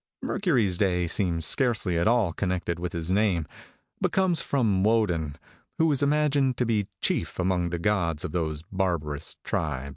Mercury's day seems scarcely at all connected with his name, but comes from Wodin, who was imagined to be chief among the gods of those barbarous tribes."